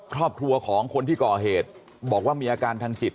ครอบครัวของคนที่ก่อเหตุบอกว่ามีอาการทางจิต